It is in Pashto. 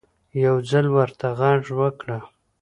يو ځل ورته غږ وکړه